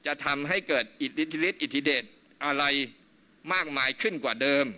จะทำให้เกิดอิทธิฤทธิอิทธิเดชอะไรมากมายขึ้นกว่าเดิม